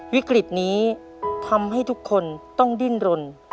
วิกฤตนี้ทำให้ทุกคนต้องดิ้นรน